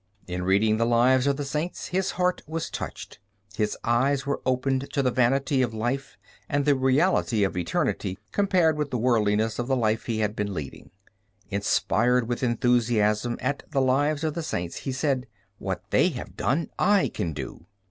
In reading the lives of the saints his heart was touched. His eyes were opened to the vanity of life and the reality of eternity compared with the worldliness of the life he had been leading. Inspired with enthusiasm at the lives of the saints, he said, "What they have done, I can do."